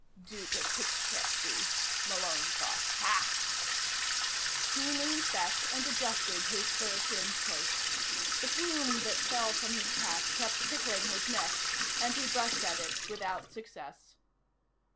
Duke of Poughkeepsie! Malone thought. Hah! He leaned back and adjusted his fur trimmed coat. The plume that fell from his cap kept tickling his neck, and he brushed at it without success.